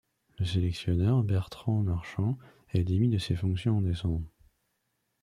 Le sélectionneur Bertrand Marchand est démis de ses fonctions en décembre.